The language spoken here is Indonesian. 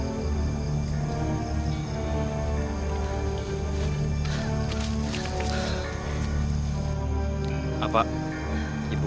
aduh kenapa race